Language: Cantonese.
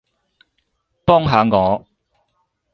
幫下我